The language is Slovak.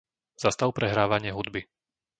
Zastav prehrávanie hudby.